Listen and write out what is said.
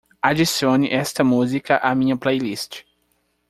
Adicione esta música à minha playlist.